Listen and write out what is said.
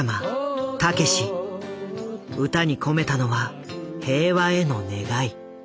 歌に込めたのは「平和」への願い。